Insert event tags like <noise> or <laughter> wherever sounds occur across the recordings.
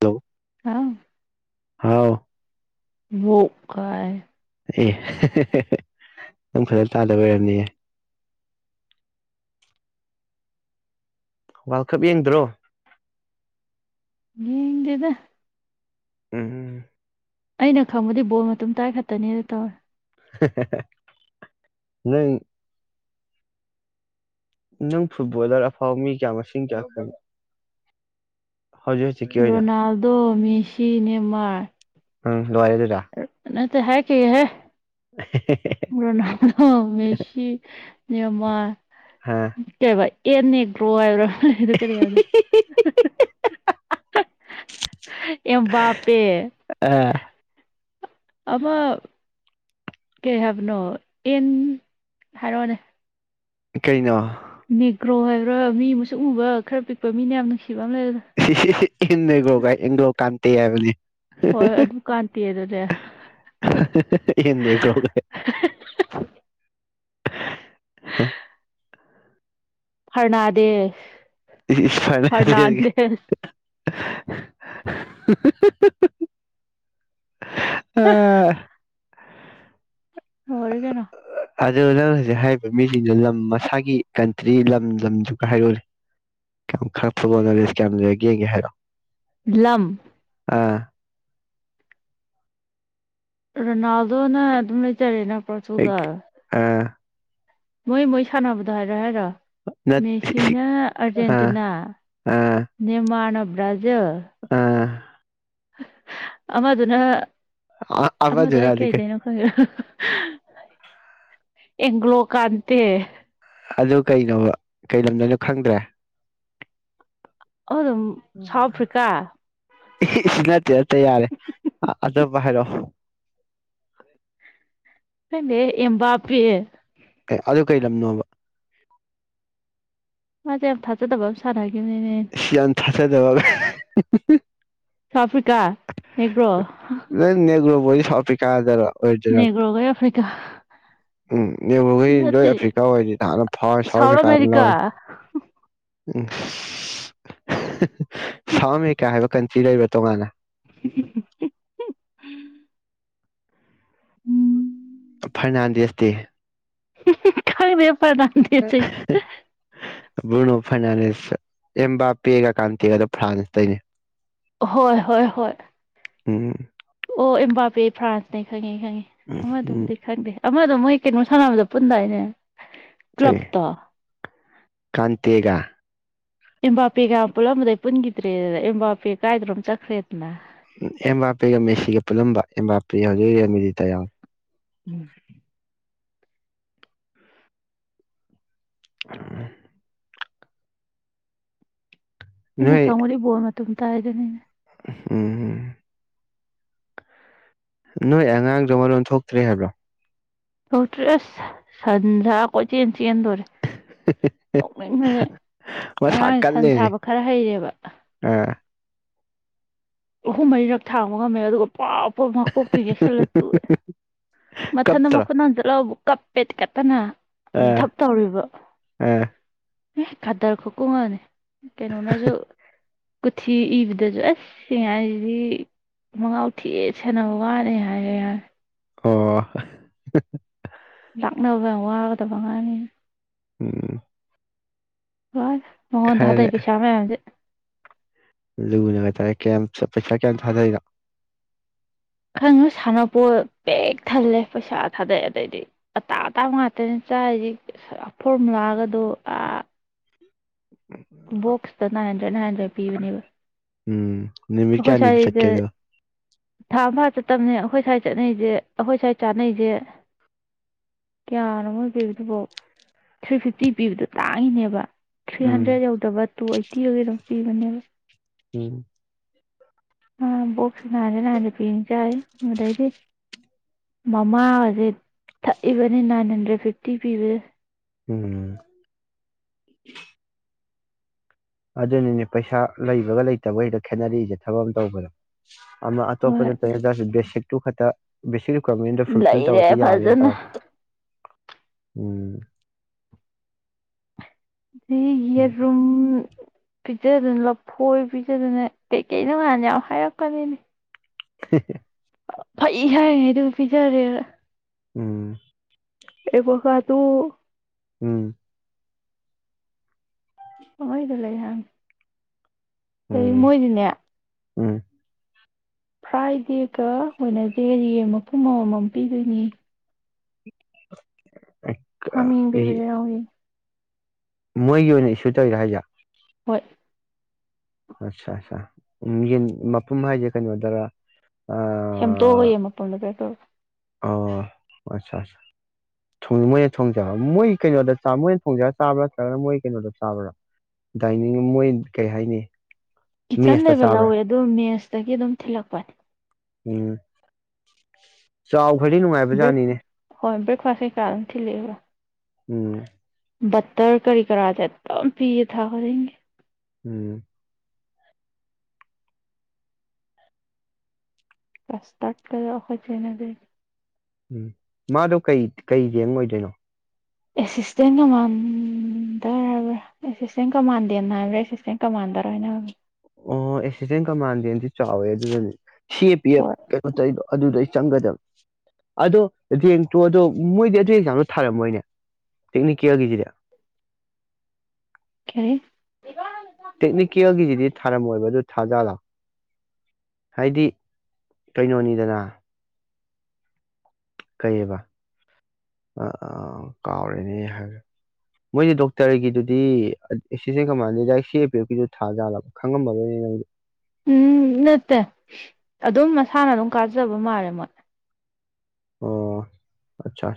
ꯍꯜꯣ ꯑꯥ ꯍꯥꯎ ꯀꯥꯏ ꯑꯦ ꯅꯪ ꯐꯖꯅ ꯇꯥꯗꯕ ꯑꯣꯏꯔꯕꯝꯅꯤꯌꯦ ꯋꯥꯔꯜ ꯀꯞ ꯌꯦꯡꯗ꯭ꯔꯣ ꯌꯦꯗꯦꯗ ꯎꯝ ꯎꯝ ꯑꯩꯅ ꯈꯪꯕꯗꯤ ꯕꯣꯜ ꯃꯇ ꯇꯥꯏ ꯈꯛꯇꯅꯦꯅ ꯇꯧꯔꯦ ꯅꯪ ꯅꯪ ꯐꯨꯠꯕꯣꯂꯔ ꯑꯐꯥꯎ ꯃꯤ ꯀꯌꯥ ꯃꯁꯤꯡ ꯀꯌꯥ ꯐꯪ ꯔꯣꯅꯥꯜꯗꯣ ꯃꯦꯁꯤ ꯅꯦꯃꯔ ꯎꯝ ꯂꯔꯦ ꯑꯗꯨꯗ ꯅꯇ ꯍꯥꯏ ꯀ ꯍꯥꯏ ꯄꯔꯣꯅꯣ ꯁꯤꯤ ꯃ ꯑ ꯀꯦꯚꯥꯏ ꯑꯦꯟꯅꯦꯛ ꯒ꯭ꯔꯣ ꯍꯥꯏꯕꯔꯣ ꯑꯗꯨ ꯀꯔꯤ ꯍꯥꯏꯗꯣ ꯌꯥꯝ ꯕꯥꯞꯄꯦ ꯑ ꯑꯃ ꯀꯩ ꯍꯥꯏꯕꯅꯣ ꯑꯦꯟ ꯍꯥꯏꯔꯛꯑꯣꯅꯦ ꯀꯩꯅꯣ ꯅꯦꯒ꯭ꯔꯣ ꯍꯥꯏꯕ꯭ꯔꯥ ꯃꯤ ꯃꯨꯁꯨꯛ ꯑꯃꯨꯕ ꯈꯔ ꯄꯤꯛꯄ ꯃꯤꯅ ꯌꯥꯝ ꯅꯨꯡꯁꯤꯕ ꯑꯃ ꯂꯩꯔ ꯁꯤ ꯏ ꯍꯒ ꯍꯒ ꯌꯦꯡ ꯀꯥꯟ ꯇꯩ ꯌꯥꯕ ꯍꯣꯏ ꯑꯗꯨ ꯀꯥꯟꯇꯦꯗꯨꯅꯦ ꯌꯦꯣ ꯍ ꯐꯔꯅꯥꯗꯦ ꯐ <unintelligible> ꯑ ꯑꯣꯏꯔ ꯀꯅ ꯑꯗꯨ ꯅꯪ ꯍꯧꯖꯤꯛ ꯍꯥꯏꯔꯤꯕ ꯃꯤꯁꯤꯡꯗꯨ ꯂꯝ ꯃꯁꯥꯒꯤ ꯀꯟꯇ꯭ꯔꯤ ꯂꯝ ꯂꯝꯗꯨꯒ ꯍꯥꯏꯔꯛꯅꯦ ꯀꯌꯥꯝ ꯈꯔ ꯐꯨꯠꯕꯣꯜ ꯅꯣꯂꯦꯖ ꯀꯌꯥꯝ ꯂꯩꯔ ꯌꯦꯡꯒꯦ ꯍꯥꯏꯔꯣꯑꯣ ꯂꯝꯪ ꯑꯥ ꯔꯅꯥꯜꯗꯣꯅ ꯑꯦꯗ ꯆꯔꯦꯅ ꯑꯩ ꯑ ꯃꯣꯏ ꯃꯣꯏ ꯁꯥꯟꯅꯕꯗꯣ ꯍꯥꯏꯔꯣ ꯍꯥꯏꯔꯣ ꯅꯠ ꯃꯦꯁꯤꯅ ꯑꯥ ꯑꯔꯖꯦꯟꯇꯤꯅꯥ ꯑꯥ ꯅꯃꯅ ꯭ꯔꯥꯜ ꯖ ꯑꯥ ꯑꯃꯗꯨꯅ ꯑ ꯑꯃꯗꯣ ꯑꯩ ꯑꯃꯗꯨꯅꯗꯤ ꯀꯩꯗꯩꯅꯣ ꯈꯪꯉ ꯑꯦꯒ꯭ꯂꯣ ꯀꯥꯟꯇꯦ ꯑꯗꯨ ꯀꯩꯅꯣ ꯀꯩꯩꯅꯣꯗꯣꯏꯅꯣ ꯈꯪꯗ꯭ꯔꯦ ꯑꯗꯨ ꯑꯗꯨꯝ ꯁꯥꯎꯠ ꯑꯐ꯭ꯔꯤꯀꯥ ꯁꯤ ꯅꯠꯇꯦ ꯅꯠꯇ ꯌꯥꯔꯦ ꯑꯗꯨꯕꯨ ꯍꯥꯏꯔꯛꯑꯣ ꯍꯦ ꯏꯕꯥꯄꯤ ꯑꯗꯨ ꯀꯔꯤ ꯂꯝꯅꯣꯕ ꯃꯥꯦ ꯌꯥꯝ ꯊꯥꯖꯦꯗꯕꯕꯥ ꯁꯥꯟꯅꯦ ꯁꯤꯌꯥꯥꯟ ꯊꯆꯗꯕ ꯍ ꯑꯥꯐ꯭ꯔꯤꯀꯥ ꯑꯦ꯭ꯔꯣ ꯕꯨꯣꯏ ꯁ ꯄꯤꯥ ꯍꯥꯏꯗꯔ ꯅꯦꯒꯣꯒ ꯌꯥ ꯐ ꯀ ꯎꯝꯕꯨꯈꯣꯏ ꯂꯣꯏ ꯑꯐ꯭ꯔꯤꯀꯥ ꯑꯣꯏꯗꯤ ꯍꯥꯟꯅ ꯐꯥꯎꯋꯦ ꯁꯥꯎꯠ ꯑꯐ꯭ꯔꯤꯀꯥ ꯑꯃ ꯂꯧꯋꯦ ꯎꯝ ꯁꯝ ꯀꯌꯥ ꯍꯥꯏꯕ ꯀꯟꯇꯤ ꯂꯩꯕ ꯇꯣꯉꯥꯟꯅ <inaudible> ꯎꯝ ꯐꯔꯅꯥꯟꯗꯦꯁ ꯗꯦ ꯈ ꯄꯗꯥꯟꯁꯤ ꯕ꯭ꯔꯨꯅꯣ ꯐꯔꯅꯥꯟꯗꯤꯁ ꯑꯕꯥ ꯄꯦꯒ ꯀꯥꯟꯇꯤꯗꯣ ꯐ꯭ꯔꯥꯟꯁꯇꯅꯦ ꯍꯣꯏ ꯍꯣꯏ ꯍꯣꯏ ꯎꯝ ꯑꯣ ꯏꯝꯕꯥꯦ ꯐ꯭ꯔꯥꯟꯁꯅꯦ ꯈꯪꯉꯦ ꯎꯝ ꯎꯝ ꯎꯗꯕꯨ ꯈꯪꯗ ꯃꯗꯣ ꯃꯣꯏ ꯀꯩꯅꯣꯝ ꯁꯥꯟꯅꯕꯗꯣ ꯄꯨꯟꯗꯥꯏꯅꯦ ꯀ ꯀ꯭ꯂꯕꯇꯣ ꯀꯥꯟꯇꯒ ꯑ ꯄꯦꯒ ꯄꯨꯜꯂꯝꯕꯗꯩ ꯄꯨꯟꯈꯤꯗ꯭ꯔꯦꯗꯅ ꯑꯦꯝ ꯄꯦ ꯀꯥꯏꯗꯅꯣꯝ ꯆꯠꯈ꯭ꯔꯦꯗꯅ ꯎ ꯑꯦꯝ ꯄꯤꯒ ꯃꯦꯁꯤꯒ ꯄꯨꯜꯂꯝꯕ ꯑꯦꯝ ꯄꯤꯒ ꯍꯧꯖꯤꯛ ꯔꯦꯜꯃꯤꯗꯤ ꯇꯌꯥ ꯎꯝ ꯎꯝ ꯍꯩꯅ ꯅꯣꯏ ꯈꯪ ꯃꯔꯤꯕꯣ ꯑꯗꯨꯝ ꯇꯥꯏꯗꯅꯤꯅꯦ ꯎꯝ ꯅꯣꯏ ꯑꯉꯥꯡꯖ ꯃꯔ ꯂꯣꯟ ꯊꯣꯛꯇ꯭ꯔꯦ ꯍꯥꯏꯕ꯭ꯔꯣ ꯊꯣꯛꯣꯛꯇꯔ ꯁꯗꯥ ꯀꯣ ꯆ ꯆꯦꯟꯗꯧꯔꯦ ꯅꯣꯛꯃꯤꯅꯁ ꯃꯁꯥ ꯉꯔꯥꯡꯁꯦ ꯀꯟ ꯁꯟ ꯂꯩꯔꯦ ꯁꯥꯕ ꯈꯔ ꯍꯩꯔꯦꯕ ꯑꯥ ꯑꯍꯨꯝ ꯃꯔꯤꯔꯛ ꯊꯥꯡꯕ ꯉꯝꯃꯦ ꯑꯗꯨꯒ ꯄꯥꯄ ꯃꯥ ꯀꯣꯛꯄꯤꯒꯦꯁꯂ ꯇꯨꯑꯦ ꯃꯊꯟ ꯀꯞꯇ꯭ꯔꯣ ꯃꯈꯨꯠꯅ ꯖꯠ ꯕꯨꯛꯞꯄꯦꯠ ꯀꯇꯅ ꯑꯥ ꯗꯞ ꯇꯧꯔꯤꯕ ꯑꯥ ꯑꯦ ꯀꯗꯔ ꯈꯨꯀꯨꯡ ꯑꯝꯅꯦ ꯀꯩꯅꯣꯅꯁꯨ ꯀꯨꯊꯤ ꯏꯕꯗꯁꯨ ꯑꯁ ꯁꯤꯌꯥꯗꯤ ꯃꯉꯥꯎ ꯊꯤꯍꯦ ꯁꯦꯟꯅꯕ ꯋꯥꯅꯤ ꯍꯥꯏꯔꯛ ꯑꯦ ꯍꯥꯏ ꯑꯣ ꯂꯥꯛꯅꯕ ꯌꯥꯝ ꯋꯥꯒꯗꯕ ꯉꯥꯡꯅꯤ ꯎꯝ ꯃꯉꯣꯟ ꯊꯥꯗꯩ ꯈꯔ ꯄꯩꯁꯥ ꯃꯌꯥꯝꯁꯦ ꯂꯨꯅꯒ ꯇꯧꯔꯦ ꯀꯌꯥꯝ ꯄꯩꯁꯥ ꯀꯌꯥꯝ ꯊꯥꯗꯩꯅꯣ ꯈꯪꯗꯦ ꯁꯥꯟꯅꯄꯣ ꯄꯤꯛ ꯊꯜꯂꯦ ꯄꯩꯁꯥ ꯊꯥꯗꯩꯑꯦ ꯑꯗꯩꯗꯤ ꯑꯇꯥꯡ ꯑꯇꯥꯡꯕ ꯉꯥꯛꯇꯅ ꯆꯥꯏꯔꯤꯁꯤ ꯐꯣꯔꯃꯨꯂꯥꯒꯗꯣ ꯕꯣꯛꯁꯇ ꯅꯥꯏꯟ ꯍꯟꯗ꯭ꯔꯦꯗ ꯅꯥꯏꯟ ꯍꯟꯗ꯭ꯔꯦꯗ ꯄꯤꯕꯅꯦꯕ ꯎꯝ ꯅꯨꯃꯤꯠ ꯑꯣ ꯀꯌꯥꯅꯤꯕꯨ ꯆꯠꯀꯦ ꯁꯥꯏꯗ ꯑꯗꯨꯒ ꯊꯥꯡ ꯑꯝ ꯐꯥꯅ ꯆꯠ ꯇꯝꯅꯦ ꯑꯩꯈꯣꯏ ꯁ꯭ꯋꯥꯏꯠ ꯆꯠꯅꯩꯁꯦ ꯑꯩꯈꯣꯏ ꯁ꯭ꯋꯥꯏꯠ ꯆꯥꯅꯩꯁꯦ ꯀꯌꯥꯅꯣꯃꯣ ꯄꯤꯕꯗꯨꯐꯥꯎ ꯊ꯭ꯔꯤ ꯐꯤꯐꯇꯤ ꯄꯤꯕꯗꯣ ꯇꯥꯡꯉꯤꯅꯦꯕ ꯊ꯭ꯔꯤ ꯎꯝ ꯍꯟꯗ꯭ꯔꯦꯗ ꯌꯧꯗꯕ ꯇꯨ ꯑꯩꯠꯇꯤꯔ ꯀꯩꯅꯣ ꯐ ꯅꯤꯕ ꯎꯝ box nine hundred nine hundred ꯄꯤꯕꯅꯤ ꯆꯥꯏꯁꯦ ꯑꯗꯨꯗꯩꯗꯤ ꯃꯃꯥꯒꯁꯦ ꯊꯛꯏꯕꯅꯤ ꯅꯥꯏꯟ ꯍꯟꯗ꯭ꯔꯦꯠ ꯐꯤꯐꯇꯤ ꯄꯤꯕꯁꯦ ꯎꯝ ꯑꯗꯨꯅꯤꯅꯦ ꯄꯩꯁꯥ ꯂꯩꯕꯒ ꯂꯩꯇꯕ <unintelligible> ꯈꯦꯠꯅꯔꯛꯏꯁꯦ ꯊꯕꯛ ꯑꯃ ꯇꯧꯕꯗ ꯑꯃꯝ ꯍꯣꯏ ꯑꯇꯣꯞꯗ <unintelligible> ꯕꯦꯁꯤꯛ ꯑ <unintelligible> ꯐꯨꯜꯐꯤꯜ ꯂꯩꯔꯦ ꯇꯧꯔꯗꯤ ꯌꯥꯔꯦ ꯐꯖꯅ ꯇꯧꯔꯛꯄꯗꯣ ꯎꯝ ꯎꯝ ꯌꯦꯔꯨꯝ ꯄꯤꯖꯗꯅ ꯂꯐꯣꯏ ꯄꯤꯖꯗꯅ ꯀꯩꯀꯩ ꯅꯉꯥꯟ ꯌꯥꯝ ꯍꯥꯏꯔꯛꯄꯅꯤꯅꯦ <inaudible> ꯐꯩ ꯍꯥꯏꯔꯤꯉꯩꯗꯨ ꯄꯤꯖꯔꯦ ꯎꯝ ꯑꯦ ꯄꯣꯁꯥꯗꯨꯨ ꯎꯝ ꯍꯣꯏꯗ ꯂꯩ ꯌꯥꯥꯡ ꯗꯩ ꯎꯝ ꯃꯣꯏꯗꯤꯅꯦ ꯎꯝ ꯐ꯭ꯔꯥꯏꯗꯦꯒ ꯋꯦꯅꯁꯗꯦꯒ ꯌꯦꯡ ꯃꯄꯨꯝ ꯑꯃꯃꯝ ꯄꯤꯗꯣꯏꯅꯤ <inaudible> ꯍꯥꯃꯤ ꯄꯕꯖꯥ ꯍꯧꯒꯤ ꯃꯣꯏꯒꯤ ꯑꯣꯏꯅ ꯏꯁꯨ ꯇꯧꯋꯤꯔ ꯍꯥꯏꯖꯦ ꯍꯣꯏ ꯑꯠꯆꯥ ꯑꯆꯥ ꯎꯝ ꯌꯦꯟ ꯃꯐꯝ ꯍꯥꯏꯁꯦ ꯀꯩꯅꯣꯗꯔ ꯁꯦꯝꯇꯣꯛꯑꯒ ꯌꯦꯟ ꯃꯄꯨꯝꯗꯣ ꯄꯤꯔꯛ ꯇꯨꯏꯕ ꯑ ꯑꯠꯆꯥ ꯑ ꯃꯣꯏꯅ ꯊꯣꯡꯖꯕ ꯃꯣꯏꯒꯤ ꯀꯩꯅꯣꯗ ꯃꯣꯏꯅ ꯊꯣꯡꯖꯕ ꯆꯥꯕ꯭ꯔꯥ ꯅꯠꯇ꯭ꯔꯒꯅ ꯃꯣꯏꯒꯤ ꯀꯩꯅꯣꯗ ꯆꯥꯕ꯭ꯔꯥ ꯗꯥꯏꯅꯤꯡ ꯃꯣꯏ ꯀꯩ ꯍꯥꯏꯅꯤ ꯀꯤꯠꯆꯟ ꯃꯦꯁꯇ ꯂꯩꯕ ꯆꯥꯕ꯭ꯔꯥ ꯂꯧꯋꯦ ꯑꯗꯨ ꯃꯦꯁꯇꯒꯤ ꯑꯗꯨꯝ ꯊꯤꯜꯂꯛꯄꯅꯦ ꯎꯝ ꯆꯥꯎ ꯍꯣꯏꯗꯤ ꯕ꯭ꯔꯦꯛ ꯅꯨꯡꯉꯥꯏꯕꯖꯥꯠꯅꯤꯅꯦ ꯍꯣꯏ ꯕ꯭ꯔꯦꯛꯐꯥꯁ ꯀꯩꯀꯥ ꯑꯗꯨꯝ ꯊꯤꯜꯂꯛꯑꯦꯕ ꯎꯝ ꯠꯇꯔ ꯀꯔꯤ ꯀꯔꯥꯗꯦ ꯑꯦꯝ ꯄꯤꯌꯦ ꯊꯥꯖꯅꯤꯡꯒꯦ ꯎꯝ ꯀꯁꯠꯀꯍꯖꯤꯅ ꯂꯩ ꯎꯝ ꯃꯥꯗꯣ ꯀꯩ ꯀꯩ ꯔꯦꯡꯛ ꯑꯣꯏꯗꯣꯏꯅꯣ ꯑꯦꯁꯤꯁꯇꯦꯟ ꯀꯃꯥꯟꯗꯔ ꯍꯥꯏꯕ꯭ꯔꯥ ꯑꯦꯁꯤꯁꯇꯦꯟ ꯀꯃꯥꯟꯗꯦꯟ ꯍꯥꯏꯕ꯭ꯔꯥ ꯑꯦꯁꯤꯁꯇꯦꯟ ꯀꯃꯥꯟꯗꯔ ꯍꯥꯏꯅꯕꯅꯦ ꯑꯣ ꯑꯦꯁꯤꯁꯇꯦꯟ ꯀꯃꯥꯟꯗꯦꯟꯗꯤ ꯆꯥꯎꯋꯦ ꯑꯗꯨꯅꯅꯤ ꯁꯤ ꯑꯦ ꯄꯤ ꯍꯣꯏ ꯑꯦꯐ ꯀꯩꯅꯣ ꯇꯧꯗꯣ ꯑꯗꯨꯗꯩ ꯆꯪꯒꯗꯕ ꯑꯗꯣ ꯔꯦꯡꯛꯇꯣ ꯑꯗꯣ ꯃꯣꯏꯗꯤ ꯑꯗꯨ ꯑꯦꯛꯖꯥꯝꯗꯣ ꯊꯥꯔꯝꯃꯣꯏꯅꯦ ꯇꯦꯛꯅꯤꯀꯦꯜꯒꯤꯁꯤꯗ ꯀ ꯊꯥꯖꯂꯣꯑꯣ ꯍꯥꯏꯗꯤ ꯀꯩꯅꯣꯅꯤꯗꯅ ꯀꯩꯕ ꯑ ꯑ ꯀꯥꯎꯔꯦꯅꯦ ꯍꯥꯏꯔꯦ ꯃꯣꯏꯁ ꯗꯣꯛꯇꯔꯒꯤꯗꯨꯗꯤ ꯑꯦꯁꯤꯁꯇꯦꯟ ꯀꯃꯥꯟꯦꯗ ꯁꯤ ꯑꯦ ꯄꯤ ꯑꯦꯐ ꯀꯤꯗꯨ ꯊꯥꯖꯥꯜꯂꯕ ꯈꯪꯉꯝꯃꯔꯣꯏꯅꯦ ꯅꯪꯗꯤ ꯎꯝ ꯅꯠꯇꯦ ꯑꯗꯨꯝ ꯃꯁꯥꯅ ꯑꯗꯨꯝ ꯀꯥꯖꯕ ꯃꯥꯜꯂꯦ ꯃꯣꯏ ꯑꯣ ꯑꯆꯥ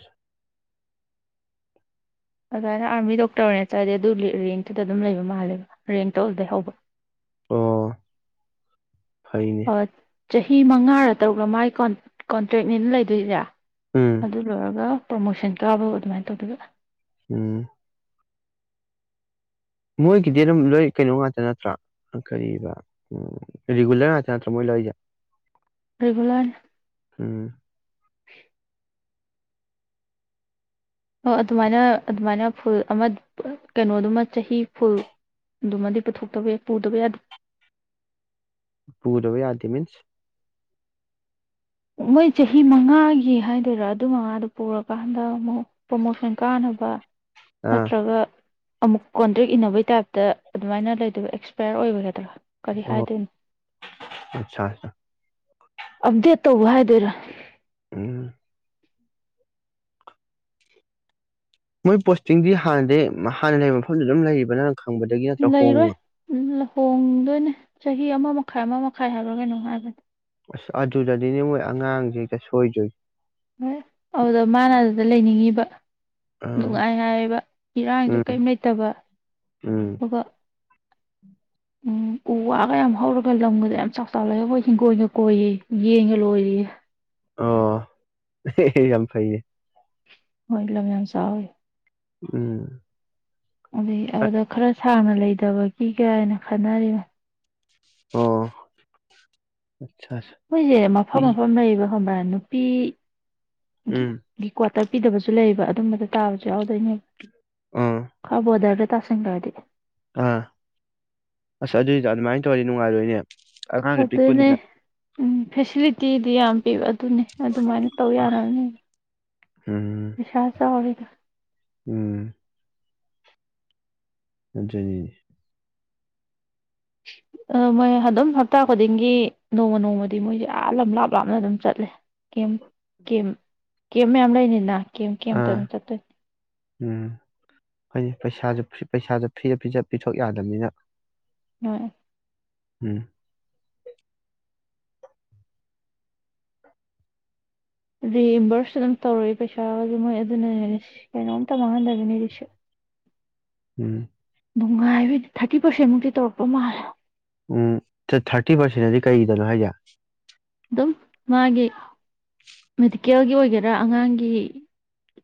ꯑꯗꯨꯃꯥꯏꯅ ꯑꯥꯔꯃꯤ ꯗꯣꯛꯇꯔ ꯑꯣꯏꯅ ꯆꯠꯂꯗꯤ ꯑꯗꯨ ꯔꯦꯡꯛꯇꯨꯗ ꯑꯗꯨꯝ ꯂꯩꯕ ꯃꯥꯜꯂꯦꯕ ꯔꯦꯡꯛꯇꯣ ꯑꯗꯨꯗꯩ ꯍꯧꯕ ꯑꯣ ꯐꯩꯅꯦ ꯑ ꯆꯍꯤ ꯃꯉꯥꯔ ꯇꯔꯨꯛꯂ ꯃꯥꯒꯤ ꯀꯣꯟꯇ꯭ꯔꯦꯛꯅꯤꯅ ꯂꯩꯗꯣꯏꯖꯦ ꯎꯝ ꯑꯗꯨꯗꯒ ꯄ꯭ꯔꯣꯃꯣꯁꯟ ꯀꯥꯕ ꯑꯗꯨꯃꯥꯏꯅ ꯇꯧꯗꯨꯏꯕ ꯎꯝ ꯃꯣꯏꯒꯤꯗꯤ ꯑꯗꯨꯝ ꯂꯣꯏ ꯀꯩꯅꯣ ꯉꯥꯛꯇ ꯅꯠꯇ꯭ꯔꯥ ꯀꯔꯤꯕ ꯎꯝ ꯔꯤꯒꯨꯂꯔ ꯉꯥꯛꯇ ꯅꯠꯇ꯭ꯔꯥ ꯃꯣꯏ ꯂꯣꯏꯁꯦ ꯔꯤꯒꯨꯂꯔꯅꯤ ꯎꯝ ꯑꯣ ꯑꯗꯨꯃꯥꯏꯅ ꯑꯗꯨꯃꯥꯏꯅ ꯐꯨꯜ ꯑꯃ ꯀꯩꯅꯣꯗꯨꯃ ꯆꯍꯤ ꯐꯨꯜꯗꯨꯃꯗꯤ ꯄꯨꯊꯣꯛꯇꯕ ꯄꯨꯗꯕ ꯌꯥꯗꯦ ꯄꯨꯗꯕ ꯌꯥꯗꯦ ꯃꯤꯟꯁ ꯃꯣꯏ ꯆꯍꯤ ꯃꯉꯥꯒꯤ ꯍꯥꯏꯗꯣꯏꯔꯥ ꯑꯗꯨ ꯃꯉꯥꯗꯨ ꯄꯨꯔꯀꯥꯟꯗ ꯑꯃꯨꯛ ꯄ꯭ꯔꯣꯃꯣꯁꯟ ꯀꯥꯅꯕ ꯑꯥ ꯅꯠꯇ꯭ꯔꯒ ꯑꯃꯨꯛ ꯀꯣꯟꯇ꯭ꯔꯦꯛ ꯏꯟꯅꯕꯩ ꯇꯥꯏꯞꯇ ꯑꯗꯨꯃꯥꯏꯅ ꯂꯩꯗꯕ ꯑꯦꯛꯁꯄꯌꯔ ꯑꯣꯏꯕꯒꯗ꯭ꯔꯥ ꯀꯔꯤ ꯍꯥꯏꯗꯣꯏꯅꯣ <unintelligible> ꯑꯐꯗꯦꯠ ꯇꯧ ꯍꯥꯏꯗꯣꯏꯔꯥ ꯎꯝ ꯃꯣꯏ ꯄꯣꯁꯇꯤꯡꯗꯤ ꯍꯥꯟꯅꯗꯩ ꯍꯥꯟꯅ ꯂꯩꯕ ꯃꯐꯝꯗꯨ ꯑꯗꯨꯝ ꯂꯩꯔꯤꯕ ꯈꯪꯕꯗꯒꯤ ꯅꯠꯇ꯭ꯔ ꯂꯩꯔꯣꯏ ꯍꯣꯡꯕ ꯍꯣꯡꯗꯣꯏꯅꯦ ꯆꯍꯤ ꯑꯃ ꯃꯈꯥꯏ ꯑꯃ ꯃꯈꯥꯏ ꯍꯥꯏꯕꯔ ꯀꯩꯅꯣꯝ ꯍꯥꯏꯕꯅꯦ ꯑꯁ ꯑꯗꯨꯗꯗꯤꯅꯦ ꯃꯣꯏ ꯑꯉꯥꯡꯁꯤ ꯍꯦꯛꯇ ꯁꯣꯏꯗꯣꯏ ꯍꯣꯏ ꯑꯗꯨꯗ ꯃꯥꯅ <unintelligible> ꯂꯩꯅꯤꯡꯉꯤꯕ ꯑꯥ ꯅꯨꯡꯉꯥꯏ ꯍꯥꯏꯌꯦꯕ ꯏꯔꯥꯡꯖꯨ ꯎꯝ ꯀꯔꯤꯝ ꯂꯩꯇꯕ ꯎꯝ ꯑꯗꯨꯒ ꯎꯝ ꯎ ꯋꯥꯒ ꯌꯥꯝ ꯍꯧꯔꯒ ꯂꯝꯒꯗꯣ ꯌꯥꯝ ꯆꯥꯎ ꯆꯥꯎ ꯂꯩꯔꯒ ꯍꯣꯏ ꯍꯤꯡꯒꯣꯜꯒ ꯀꯣꯏꯌꯦ ꯌꯦꯟꯒ ꯂꯣꯏꯔꯤꯌꯦ ꯑꯣ <unintelligible> ꯌꯥꯝ ꯐꯩꯌꯦ ꯍꯣꯏ ꯂꯝ ꯌꯥꯝ ꯆꯥꯎꯋꯤ ꯎꯝ ꯑꯗꯩ ꯑꯗꯨꯗ ꯈꯔ ꯁꯥꯡꯅ ꯂꯩꯊꯕꯒꯤ ꯀꯥꯏꯅ ꯈꯟꯅꯔꯤꯕꯅꯤ ꯑꯣ <inaudible> ꯃꯣꯏꯁꯦ ꯃꯐꯝ ꯏ ꯃꯐꯝ ꯂꯩꯕ <unintelligible> ꯅꯨꯄꯤ ꯎꯝ <unintelligible> ꯒꯤ ꯀꯨ꯭ꯋꯥꯇꯔ ꯄꯤꯗꯕꯖꯨ ꯂꯩꯌꯦꯕ ꯑꯗꯨꯝꯕꯗ ꯇꯥꯕꯖꯨ ꯌꯥꯎꯗꯣꯏꯅꯦꯕ ꯑꯥ <inaudible> ꯈꯔ ꯕꯣꯔꯗꯔꯒ ꯇꯥꯁꯟꯒ꯭ꯔꯗꯤ ꯑꯥ ꯑꯁ ꯑꯗꯨꯏ ꯑꯗꯨꯃꯥꯏꯅ ꯇꯧꯔꯗꯤ ꯅꯨꯡꯉꯥꯏꯔꯣꯏꯅꯦ ꯑꯉꯥꯡꯁꯨ ꯑꯗꯨꯅꯦ ꯄꯤꯛꯄꯅꯤꯅ ꯎꯝ ꯐꯦꯁꯤꯂꯤꯇꯤꯗꯤ ꯌꯥꯝ ꯄꯤꯕ ꯑꯗꯨꯅꯦ ꯑꯗꯨꯃꯥꯏꯅ ꯇꯧ ꯌꯥꯔꯕꯅꯤ ꯎꯝ ꯄꯩꯁꯥ ꯆꯥꯎꯔꯤ ꯎꯝ ꯑꯗꯨꯅꯤꯅꯦ ꯑꯗꯨ ꯃꯣꯏ ꯑꯗꯨꯝ ꯍꯞꯇꯥ ꯈꯨꯗꯤꯡꯒꯤ ꯅꯣꯡꯃ ꯅꯣꯡꯃꯗꯤ ꯃꯣꯏꯁꯦ ꯑꯥ ꯂꯝ ꯂꯥꯞ ꯂꯥꯞꯅ ꯑꯗꯨꯝ ꯆꯠꯂꯦ ꯀꯦꯝ ꯀꯦꯝ ꯀꯦꯝ ꯃꯌꯥꯝ ꯂꯩꯅꯤꯅ ꯀꯝ ꯀꯝ ꯑꯥ ꯇꯔꯝ ꯇ ꯎꯝ ꯍꯥꯏꯗꯤ ꯄꯩꯁꯁꯨ ꯄꯩꯁꯥꯁꯨ ꯐ꯭ꯔꯤ ꯄꯤꯊꯣꯛ ꯌꯥꯗꯕꯅꯤꯅ ꯍꯣꯏ ꯎꯝ ꯔꯤꯏꯝꯕ꯭ꯔꯁ ꯑꯗꯨꯝ ꯇꯧꯔꯛꯏ ꯄꯩꯁꯥ ꯑꯗꯨ ꯃꯣꯏ ꯑꯗꯨꯅꯅꯦꯅꯦ ꯀꯩꯅꯣꯝꯇ ꯃꯥꯡꯍꯟꯗꯕꯤꯅꯦꯁꯨ ꯎꯝ ꯅꯨꯡꯉꯥꯏꯕꯩꯗꯤ ꯊꯥꯔꯇꯤ ꯄꯥꯔꯁꯦꯟꯃꯨꯛꯇꯤ ꯇꯧꯔꯛꯄ ꯃꯥꯜꯂꯦ ꯎꯝ ꯊꯥꯔꯇꯤ ꯄꯥꯔꯁꯦꯟꯗꯤ ꯀꯩꯗꯅꯣ ꯍꯥꯏꯁꯦ ꯑꯗꯨꯝ ꯃꯥꯒꯤ ꯃꯦꯗꯤꯀꯦꯜꯒꯤ ꯑꯣꯏꯒꯦꯔꯥ ꯑꯉꯥꯡꯒꯤ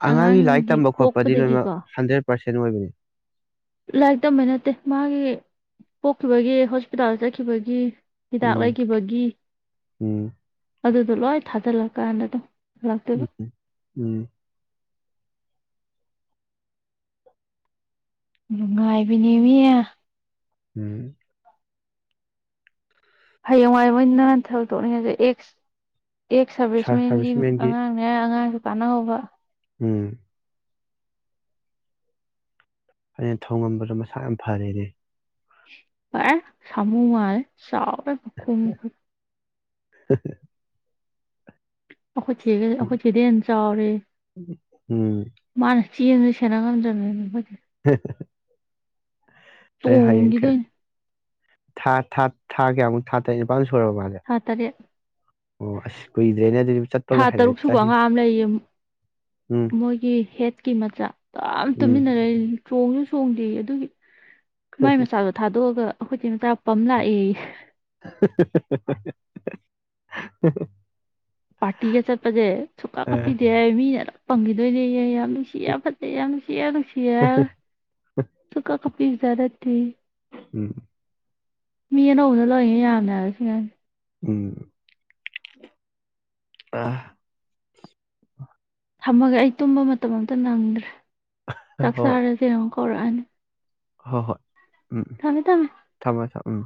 ꯑꯉꯥꯡꯒꯤ ꯂꯥꯏꯔꯤꯛ ꯇꯝꯕ ꯈꯣꯠꯄꯗꯤ ꯂꯣꯏꯅꯃꯛ ꯍꯟꯗ꯭ꯔꯦꯠ ꯄꯔꯁꯦꯟꯠ ꯑꯣꯏꯕꯅꯤ ꯂꯥꯏꯔꯤꯛ ꯇꯝꯕ ꯅꯠꯇꯦ ꯃꯥꯒꯤ ꯄꯣꯛꯈꯤꯕꯒꯤ ꯍꯣꯁꯄꯤꯇꯥꯜ ꯆꯠꯈꯤꯕꯒꯤ꯫ ꯍꯤꯗꯥꯛ ꯎꯝ ꯂꯩꯈꯤꯕꯒꯤ꯫ ꯎꯝ ꯑꯗꯨꯗꯣ ꯂꯣꯏ ꯊꯥꯖꯜꯂꯀꯥꯟꯗ ꯑꯗꯨꯝ꯫ ꯍꯜꯂꯛꯇꯣꯏꯕ ꯎꯝ ꯎꯝ꯫ ꯂꯅꯨꯡꯉꯥꯏ ꯄꯅꯤꯃꯤꯌꯦ ꯎꯝ꯫ ꯍꯌꯦꯡꯋꯥꯏ ꯃꯣꯏ ꯅꯍꯟꯊꯕ ꯇꯣꯛꯅꯤꯡꯉꯁꯦ ꯑꯦꯛꯁ ꯑꯦꯛꯁ ꯁꯥꯔ ꯁꯔꯚꯤꯁꯃꯦꯟꯒꯤ ꯁꯥꯔꯚꯤꯁꯃꯦꯟꯒꯤ ꯑꯉꯥꯡꯅꯦ ꯑꯉꯥꯡ꯫ ꯇꯥꯟꯅꯍꯧꯕ꯫ ꯎꯝ꯫ ꯑꯩꯅ ꯊꯣꯡꯉꯝꯕꯗꯣ ꯃꯁꯥ ꯌꯥꯝ ꯐꯔꯦꯅꯦ꯫ ꯐꯔꯦ ꯁꯃꯨꯥ ꯃꯥꯜꯂꯦ ꯆꯥꯎ <unintelligible> <inaudible> ꯑꯩꯈꯣꯏ ꯆꯦꯒ ꯎꯝ ꯑꯩꯈꯣꯏ ꯆꯦꯗꯩꯩ ꯍꯦꯟꯅ ꯆꯥꯎꯔꯦ ꯎꯝ ꯃꯥꯅ꯫ ꯁꯤꯖꯤꯁꯨ ꯁꯅꯥ ꯀꯥꯡꯒꯝꯖꯅ <inaudible> ꯑꯦ ꯍꯌꯦꯡꯈꯦ ꯇꯣꯡꯈꯤꯗꯣꯏꯅꯤ ꯊꯥ ꯊꯥꯠ ꯊꯥ ꯀꯦꯃ ꯊ ꯇꯅꯤ ꯁꯨꯔꯕꯣ ꯃꯥꯁꯦ ꯊꯥ ꯇꯔꯦꯠ ꯑꯣ ꯑꯁ ꯀꯨꯏꯗ꯭ꯔꯦꯅꯦ ꯑꯗꯨꯗꯤ ꯆꯠ ꯊꯥ ꯇꯔꯨꯛ ꯁꯨꯕ ꯑꯉꯥꯡ ꯑꯃ ꯂꯩꯌꯦ ꯎꯝ ꯃꯣꯏꯒꯤ ꯍꯦꯠꯀꯤ ꯃꯆꯥ ꯌꯥꯝ ꯎꯝ ꯇꯨꯃꯤꯟꯅ ꯂꯩ ꯆꯣ ꯆꯣꯡꯁꯨ ꯆꯣꯡꯗꯦ ꯑꯗꯨꯒꯤ꯫ ꯃꯥꯏ ꯃꯆꯥꯗꯣ ꯊꯥꯗꯣꯛꯑꯒ꯫ ꯑꯩꯈꯣꯏ ꯆꯦ ꯃꯆꯥ ꯄꯝ ꯂꯥꯛꯑꯦꯌꯦ꯫ <inaudible> ꯄꯥꯇꯤꯒꯦ ꯆꯠ ꯄꯖꯦ ꯊꯨꯀꯥ ꯀꯥꯄꯤ ꯑ ꯗ ꯏꯃꯤ ꯄꯝꯒꯤꯗꯣꯏꯅꯦꯌꯦꯌꯥꯌꯥ꯫ ꯅꯨꯡꯁꯤꯌꯥ ꯐꯠꯇꯌꯥꯅꯅꯨꯡꯁꯤꯌꯥꯅꯅꯨꯡꯁꯤꯌꯥ ꯁꯀ ꯄꯤꯛꯖꯥꯗ ꯊꯤ ꯎꯝ꯫ ꯃꯤꯅꯧꯗ ꯂ ꯌꯥꯅ ꯂ ꯁꯤ ꯎꯝ꯫ ꯑꯥ꯫ ꯊꯝꯃꯒꯦ ꯑꯩ ꯇꯨꯝꯕ ꯃꯇꯝ ꯑꯝꯇ ꯅꯪꯗ꯭ꯔꯦ꯫ ꯆꯥꯛ ꯍꯣꯏ ꯆꯥꯔꯁꯤ ꯌꯦꯡꯉꯣ ꯀꯧꯔꯛꯑꯅꯤ꯫ ꯍꯣꯏ ꯍꯣꯏ ꯎꯝ ꯎꯝ ꯊꯝꯃꯦ ꯊꯝꯃꯦ ꯊꯝꯃꯣ ꯊꯝ ꯎꯝ꯫